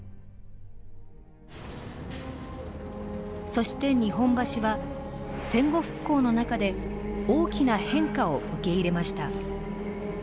そして日本橋は戦後復興の中で大きな変化を受け入れました。